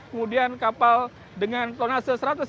kemudian kapal dengan tonase satu ratus lima puluh